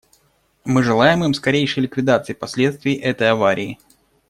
Мы желаем им скорейшей ликвидации последствий этой аварии.